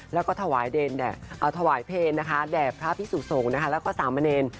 แล้วก็ถวายเพลงแดบพระพิสุสงฆ์แล้วก็สามเมริน